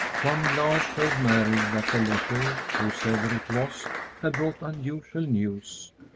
One glance showed Mary that the letter, whosever it was, had brought unusual news.